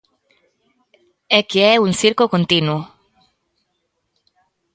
¡É que é un circo continuo!